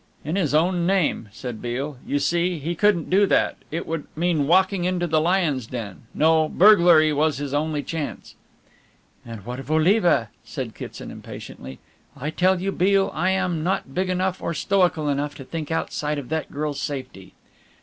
"In his own name," said Beale, "you see, he couldn't do that. It would mean walking into the lion's den. No, burglary was his only chance." "But what of Oliva?" said Kitson impatiently, "I tell you, Beale, I am not big enough or stoical enough to think outside of that girl's safety."